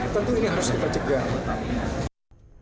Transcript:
tentu ini harus kita cegah